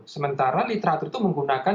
sementara literatur itu menggunakan